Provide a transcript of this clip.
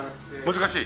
難しい？